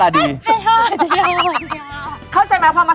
ตาดีดีมากให้๕ดีมากนึกฟัง